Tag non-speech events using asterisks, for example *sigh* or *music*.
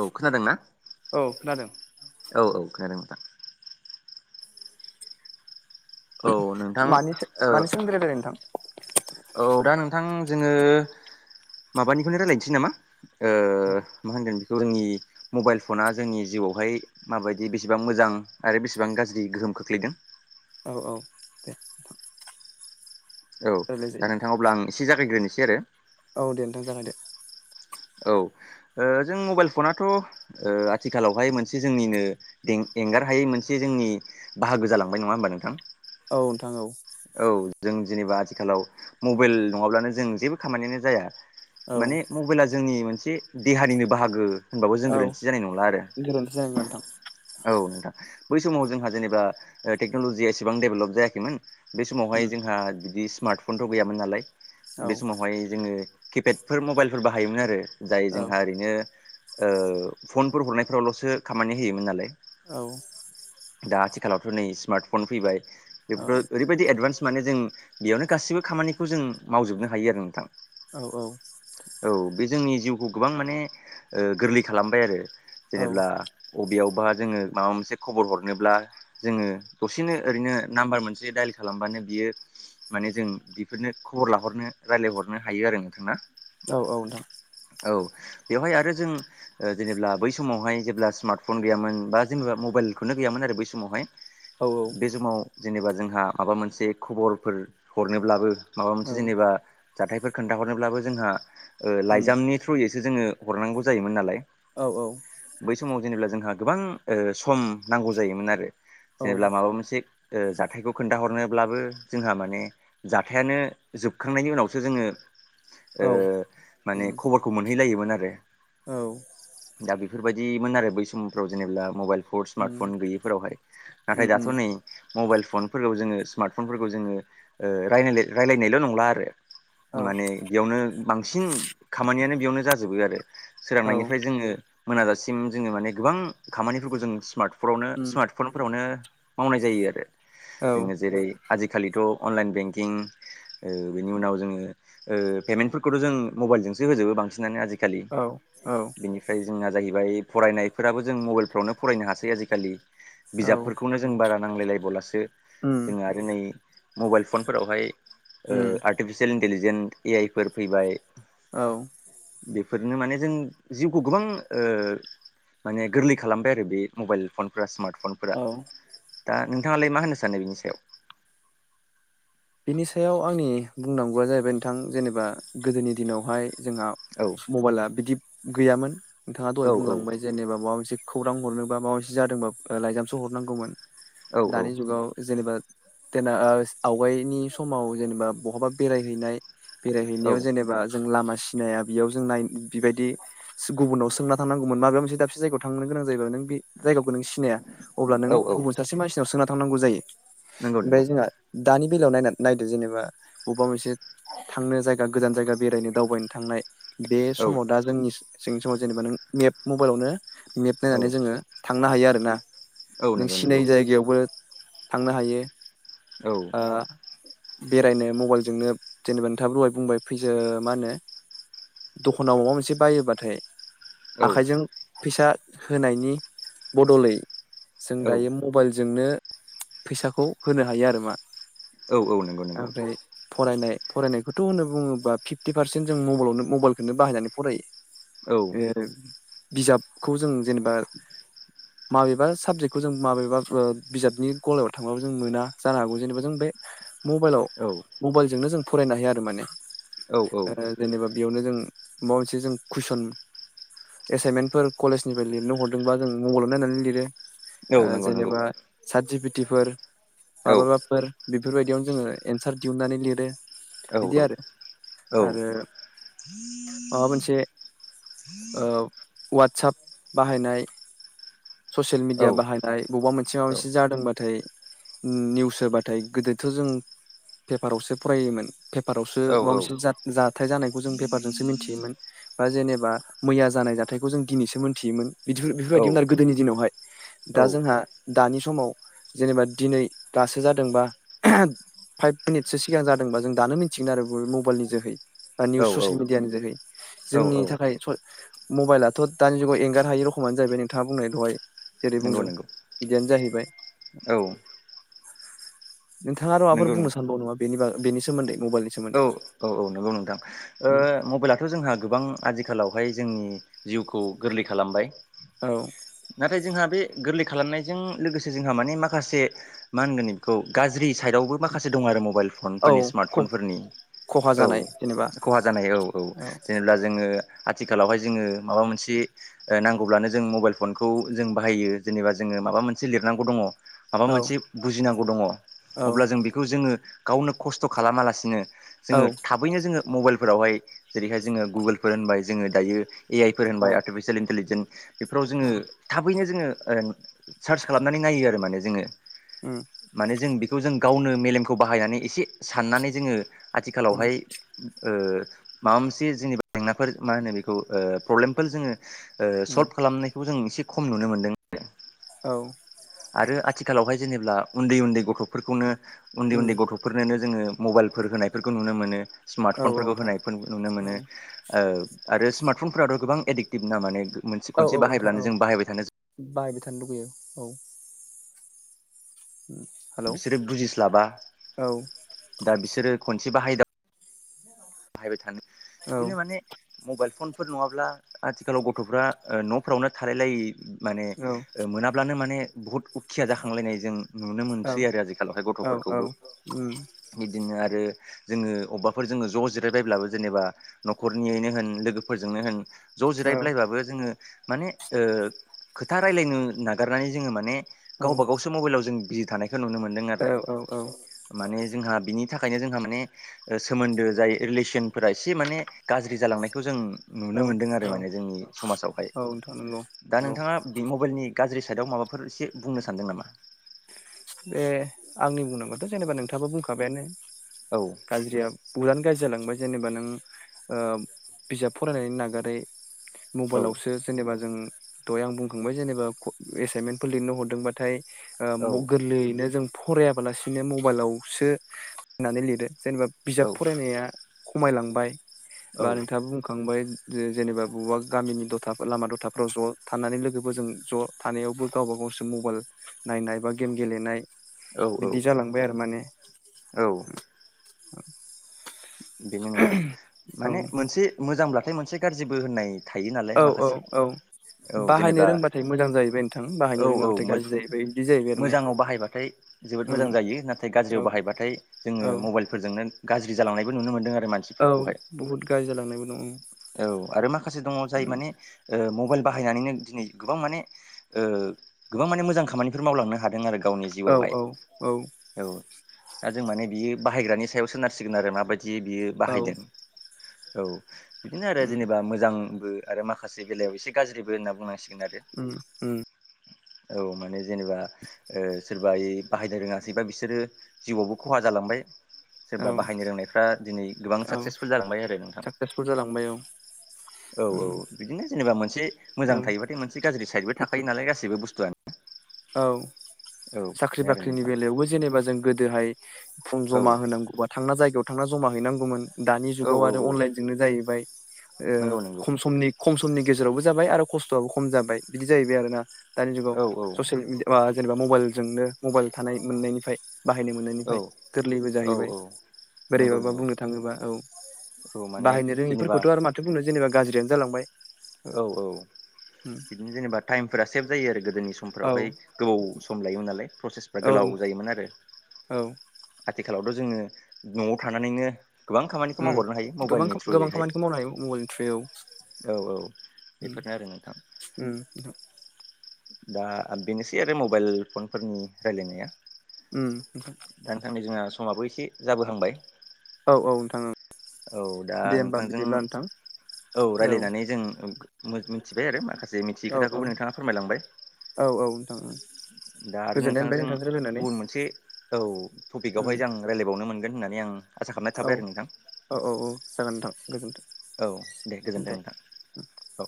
औ खोनादोंना औ खोनादों। औ औ खोनादों नोंथां। औ नोंथां मानि ओ मानि सोमोन्दै रायलायनो नोंथां? औ दा नोंथां जोङो माबानिखौनो रायलायनसै नामा? ओ मा होनगोन बेखौ जोंनि मबाइल फना जोंनि जिउआवहाय माबादि बेसेबां मोजां आरो बेसेबां गाज्रि गोहोम खोख्लैदों औ औ दे औ रायलाय दा जायो नोंथां अब्ला आं एसे जागायग्रोनिसै आरो। औ दे नोंथां जागोन दे। औ ओ जों मबाइल फनाथ' ओ आथिखालावहाय मोनसे जोंनिनो एं-एंगारहायै मोनसे जोंनि बाहागो जालांबाय नङा होमबा नोंथां? औ नोंथां औ। औ जों जेनेबा आथिखालाव मबाइल नङाब्लानो जों जेबो खामानियानो जाया। औ माने मबाइला जोंनि मोनसे देहानिनो बाहागो होनबाबो जों औ गोरोन्थि जानाय नंला आरो। गोरोन्थि जानायमोन नोंथां औ नोंथां बै समाव जोंहा जेनेबा ओ टेक्न'लजिया एसेबां डेभेलप जायाखैमोन। बे समावहाय जोंहा बिदि स्मार्टफनथ' गैयामोन नालाय औ बे समावहाय जोङो किपेडफोर मबाइलफोर बाहायोमोन आरो जाय औ जोंहा ओरैनो ओ फनफोर हरनायफोरावल'सो खामानि होयोमोन नालाय। औ दा आथिखालावथ' नै स्मार्टफन फैबाय औ बेफोरथ' बेबायदि एडभान्स माने जों बेयावनो गासिबो खामानिखौ जों मावजोबनो हायो आरो नोंथां। औ औ। औ बे जोंनि जिउखौ गोबां माने ओ गोरलै खालामबाय आरो जेनेब्ला अबेयावबा जोङो माबा मोनसे खबर हरनोब्ला जोङो दसेनो ओरैनो नाम्बार मोनसे जि दाइल खालामबानो बियो माने जों बिफोरनो खबर लाहरनो रायजलायहरनो हायो आरो नोंथां ना? औ औ नोंथां। औ बेवहाय आरो जों ओ जेनेब्ला बै समावहाय जेब्ला स्मार्टफन गैयामोन बा जेनेबा मबाइलखौनो गैयामोन आरो बै समावहाय बे समाव जेनेबा जोंहा माबा मोनसे खबरफोर हरनोब्लाबो माबा मोनसे जेनेबा जाथायफोर खोन्थाहरनोब्लाबो जोंहा ओ लाइजामनि थ्रयैसो जोङो हरनांगौ जायोमोन नालाय। औ औ बै समाव जेनेब्ला जोंहा गोबां ओ सम नांगौ जायोमोन आरो जेनेब्ला माबा मोनसे ओ जाथायखौ खोन्थाहरनोब्लाबो जोंहा माने जाथायानो जोबखांनायनि उनावसो जोङो ओ माने खबरखौ मोनहैलायोमोन आरो दा बे बेफोरबायदिमोन आरो बै समफ्राव जेनेब्ला मबाइल फर स्मार्टफन गैयैफोरावहाय नाथाय दाथ' नै मबाइल फनफोरखौ जोङो स्मार्ट फनफोरखौ जोङो ओ रायनायलाय रायनायल' नंला आरो। माने बेयावनो बांसिन खामानियानो बेयावनो जाजोबो आरो। सोरांनायनिफ्राय जोङो मोनाजासिम जोङो माने गोबां खामानिफोरखौ जों स्मार्टफनावनो स्मार्ट फनफोरावनो मावनाय जायो आरो जोङो जेरै आजिखालिथ' अनलाइन बेंकिं ओ बेनि उनाव जोङो ओ पेमेन्टफोरखौथ' जों मबाइल जोंसो होजोबो बांसिनानो आजि खालि बिनि ओमफ्राय जोंना जाहैबाय फरायनायफोराबो जों मबाइलफ्रावनो फरायनो हासै आजिखालि बिजाबफोरखौनो जों बारा नांलायलायबोलासो जोङो आरो नै मबाइल फनफोरावहाय ओ आर्टिफिसियेल इन्टेलिजेन ए आइ फोर फैबाय औ बेफोरनो माने जों जिउखौ गोबां ओ माने गोरलै खालामबाय आरो बे मबाइल फनफोरा स्मार्ट फन औ दा नोंथाङालाय मा होननो सानो बिनि सायाव? बिनि सायाव आंनि बुंनांगौआ जाहैबाय नोंथां जेनेबा गोदोनि दिनावहाय जोंहा औ मबाइला बिदि गैयामोन नोंथाङा दहाय औ औ बुंलांबाय जेनेबा माबा मोनसे खौरां हरनोबा माबा मोनसे जादोंबा लाइजामसो हरनांगौमोन दानि जुगाव जेनेबा जेनना ओ आवगायनि समाव जेनेबा बहाबा बेरायहैनाय औ बेरायहैनायाव जेनेबा जों लामा सिनाया बेयाव जों नाय बेबायदि गुबुनाव सोंना थांनांगौमोन माबा मोनसे दाबसे जायगायाव थांनो गोनां जायोबा नों बे जायगाखौ नों सिनाया अब्ला नों औ औ गुबुन सासे मानसिनाव सोना थांनांगौ जायो नंगौ नंगौ ओमफाय जोंहा दानि बेलायाव नायना नायदो जेनेबा अबेबा मोनसे थांनो जायगा गोजान जायगा बेरायनो दावबायनो थांनाय बे औ समाव दा जोंनि सिंनि समाव जेनेबा नों मेप मबाइलावनो मेप औ नायनानै जोङो थांनो हायो आरोना औ नों नंगौ नंगौ सिनायै जायगायावबो थांनो हायो औ ओ बेरायनो मबाइलजोंनो जेनेबा नोंथाब रहाय बुंबाय फैजो मा होनो दखानाव माबा मोनसे बायोबाथाय औ आखाइजों फैसा होनायनि बदलै जों औ दायो मबाइलजोंनो फैसाखौ होनो हायो आरो मा औ औ नों आमफ्राय फरायनाय फरायनायखौथ' होनो बुङोबा फिफ्टि पारसेन्ट जों मबलावनो मबाइलखोनो बाहायनानै औ फरायो ए बिजाबखौ जों जेनेबा माबेबा साबजेक्टखौ जों माबेबा ओ बिजाबनि गलायाव थांबाबो जों मोना जानो हागौ जेनेबा जों बे मबाइलाव औ मबाइलजोंनो जों फरायनो हायो आरो माने औ औ ओ जेनेबा बेयावनो जों माबा मोनसे जों कुइसन एसाइनमेन्टफोर कलेजनिफ्राय लिरनो हरदोंबा जों मबाइलाव नायनानै लिरो औ ओ नंगौ नंगौ जेनेबा सादजिपिटिफोर औ माबाबाफोर बेफोरबायदियावनो जोङो एन्सार दिहुननानै लिरो औ बिदि आरो औ आरो माबा मोनसे औ वाट्साप बाहायनाय ससियेल मिडिया बाहायनाय बबा मोनसे माबा मोनसे जादोंबाथाय निउस होबाथाय गोदोथ' जों पेपारावसो फरायोमोन पेपारावसो माबा औ मोनसे जा-जाथाय जानायखौ जों पेपारजोंसो मिन्थियोमोन बा जेनेबा मैया जानाय जाथायखौ जों दिनैसो मोनथियोमोन बिदिफोर बेफोरबायदिमोन आरो गोदोनि दिनावहाय दा जोंहा दानि समाव जेनेबा दिनै दासो जादोंबा फाइभ मिनिटसो सिगां जादोंबा जों दानो मिथिगोन आरो मबाइलनि जोहै बा औ निउस ससियेल मिडियानि जोहै जोंनि औ थाखाय सय मबाइलाथ' दानि जुगाव एंगार हायि रखमानो जाहैबाय नों थाङा बुंनाय दहाय जेरै नंगौ बुंदों नंगौ बिदियानो जाहैबाय औ नोंथाङा आर' माबाफोर नंगौ बुंनो सानबावो बेनिबा बेनि सोमोन्दै मबाइलनि औ सोमोन्दै औ नंगौ नोंथां ओ मबाइलाथ' जोंहा गोबां आजिखालावहाय जोंनि जिउखौ गोरलै खालामबाय औ नाथाय जोंहा बे गोरलै खालामनायजों लोगोसे जोंहा माने माखासे मा होनगोन इखौ गाज्रि साइदआवबो माखासे दं आरो मबाइल औ फनफोरनि स्मार्ट फनफोरनि खहा औ जानाय जेनेबा खहा जानाय औ। औ जेनेब्ला जोङो आथिखालावहाय जोङो माबा मोनसे ओ नांगौब्लानो जों मबाइल फनखौ जों बाहायो जेनेबा जोङो माबा मोनसे लिरनांगौ दङ। माबा औ मोनसे बुजिनांगौ दङ औ अब्ला जों बेखौ जोङो। गावनो खस्थ' खालामालासिनो औ जोङो थाबैनो जोङो मबाइलफोरावहाय जेरैहाय जोङो गुगोलफोर होनबाय जोङो दायो ए आइ फोर औ होनबाय आर्टिफिसियेल इन्टेलिजेन्स बेफोराव जोङो उम थाबैनो जोङो ओ सार्च खालामनानै नायो आरो माने जोङो उम माने जों बे बेखौ जों गावनो मेलेमखौ बाहायनानै एसे साननानै जोङो आथिखालावहाय ओ माबा मोनसे जोंनिबा जेंनाफोर मा होनो बेखौ ओ प्रब्लेमफोर जोङो ओ उम सल्भ खालामनाय खौबो जों एसे खम नुनो मोन्दों। औ। आरो आथिखालावहाय जेनेब्ला उन्दै-उन्दै गथ'फोरखौनो उम उन्दै-उन्दै गथ' फोरनोनो जोङो मबाइलफोर होनायफोरखौ नुनो मोनो औ स्मार्टफनफोरखौ नोंथां होनायफोर नुनो मोनो। औ आरो स्मार्टफनफोराथ' गोबां एडिक्टिभ ना माने मोनसे औ-औ खनसे नोंथां बाहायब्लानो औ जों बाहायबाय थानो बाहायबाय थानो लुुगैयो औ। हेलौ बिसोरो बुजिस्लाबा औ दा बिसोरो खनसे बाहायदा- बाहायबाय थानो औ बिदिनो माने मबाइल फनफोर नङाब्ला आथिखालाव गथ'फ्रा न'फोरावनो थालायलायै माने औ ओ मोनाब्लानो माने बुहुत खिया जाखांलायनाय जों नुनो औ मोनसै आरो आजिखालावहाय औ औ गथ'फोरखौबो। बिदिनो आरो जोङो अबावबाफोर जोङो ज' जिर- रायलायब्लाबो जेनेबा न'खरनियैनो होन लोगोफोरजोंनो होन ज' जिरायलायबाबो जोङो माने ओ खोथा रायलायनो नागारनानै जोङो माने गावबा गावसो मबाइलाव जों बिजि थानायखौ नुनो मोन्दों आरो। माने जोंहा बिनि थाखायनो जोंहा माने सोमोन्दो जाय रिलेसनफोरा एसे माने गाज्रि जालांनायखौ जों औ नुनो मोनदों आरो औ माने जोंनि समाजावहाय। औ नोंथां नंगौ दा नंगौ नोंथाङा बे मबेइलनि गाज्रि साइदआव माबाफोर एसे बुंनो सानदों नामा? बे आंनि बुंनांगौआथ' जेनेबा नोंथाङाबो बुंखाबायानो। औ गाज्रिया बुहुदानो गाज्रि जालांबाय जेनेबा नों ओ बिजाब फरायनायनि नागारै औ मबाइलावसो जेनेबा जों दहाय आं बुंखांबाय जेनेबा एसाइनमेन्टफोर लिरनो हरदोंबाथाय ओ औ म गोरलैयैनो जों फरायाबालासिनो मबाइलावसो होननानै लिरो। जेनेबा बिजाब औ फरायनाया खमायलांबाय बा नोंथाङा बुंखांबाय जे जेनेबा बबेबा गामिनि दथा लामा दथाफ्राव ज' थानानै लोगोबो जों ज' थानायावबो गावबा-गावसो मबेइल नायनाय बा गेम गेलेनाय औ औ मोनबाय आरो माने औ बेनो नोंथां औ माने मोनसे मोजांब्लाथाय मोनसे गाज्रिबो होननाय थायो औ नालाय औ माखासे। औ औ बाहायनो जेनेबा रोंबाथाय मोजां जाहैबाय नोंथां औ बाहायनो औ रोङाबाथाय मो गाज्रि जाहैबाय बिदि जाहैबाय आरो माने मोजाङाव बाहायबाथाय जोबोद उम मोजां जायो। नाथाय गाज्रियाव औ बाहायबाथाय जोङो औ मबाइलफोरजोंनो गाज्रि जालांनायबो नुनो मोनदों आरो मानसि औ बुहुत गाज्रि जालांनायबो दंं उम। औ आरो माखासे दङ' जाय माने ओ मबाइल बाहायनानैनो दिनै गोबां माने ओ गोबां माने मोजां खामानिफोर मावलांनो हादों आरो। गावनि औ जिउआवहाय औ औ दा जों माने बियो बाहायग्रानि सायाव सोनारसिगोन आरो माबायदि जि बियो औ बाहायदों औ बिदिनो आरो उम जेनेबा मोजांबो आरो माखासे बेलायाव एसे गाज्रिबो होनना बुंनांसिगोन आरो उम उम औ माने जेनेबा ओ सोरबा यै बाहायनो रोङासैबा बिसोरो जिउआवबो खहा जालांबाय। औ सोरबा बाहायनो रोंनायफ्रा दिनै गोबां औ साकसेसफुल जालांबाय आरो नोंथां। साक्सेसफुल जालांबाय औ। औ औ उम औ बिदिनो जेनेबा मोनसे मोजां ओं थायोबाथाय मोनसे गाज्रि साइडबो थाखायो नालाय गासैबो बुस्थुआनो औ साख्रि बे आरो बाख्रिनि नोंथां बेलायावबो जेनेबा जों गोदोहाय फुं औ जमा होनांगौबा थांना जायगायाव थांना जमा हैनांगौमोन दानि औ जुगाव आरो औ अनलाइनजोंनो जाहैबाय ओ नंगौ नंगौ खम समनि खम समनि गेजेरावबो जाबाय आरो खस्थ'आबो खम जाबाय बिदि जाहैबाय आरोना दानि जुगाव औ औ *inaudible* या जेनेबा मबेइलजोंनो मबेइल थानाय मोननायनिफ्राय बाहायनो औ मोननायनिफ्राय गोरलैबो औ जाहैबाय नंगौ बोरैबाबा नंगौ बुंनो थाङोबा औ औ माने बाहायनो जेनेबा रोङिफोरखौथ' आरो माथो बुंनो जेनेबा गाज्रियानो जालांबाय औ औ बिदिनो जेनेबा टाइमफोरा सेभ जायो आरो गोदोनि औ समफोरावहाय गोबाव सम लायोमोन नालाय प्रसेसफ्रा गोलाव औ जायोमोन आरो औ आथिखालावथ' जोङो न'आव थानानैनो गोबां खामानिखौ उम मावहरनो हायो गोबां मबाइलनि गोबां थ्रुयैहाय खामानिखौ मावनो हायो मबाइलनि थ्रयै औ औ बेफोरनो आरो नोंथां ओम दा बेनोसै आरो मबाइल फनफोरनि रायलायनाया ओम दा नोंथां नै जोंहा समाबो एसे जाबोहांबाय औ औ नोंथां औ दा दे होमबा नोंथांजों बिदिब्ला नोंथां औ औ रायज्लायनानै जों मिथिबाय आरो माखासे मिथियै औ औ खोथाखौबो नोंथाङा फोरमायलांबाय औ औ नोंथां औ दा आरो नोंथांजों गुबुन मोनसे औ उम टपिकआवहाय आं रायज्लायबावनो मोनगोन होननानै आं आसा खालामनाय औ थाबाय आरो नोंथां औ औ औ जागोन नोंथां गोजोन्थों औ दे गोजोन्थों नोंथां औ